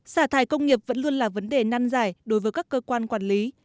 xả thải công nghiệp vẫn luôn là vấn đề năn giải đối với các cơ quan quản lý